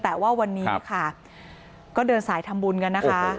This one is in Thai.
แต่ว่าวันนี้ค่ะก็เดินสายทำบุญกันนะคะ